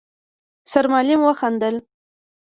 سرمعلم وخندل: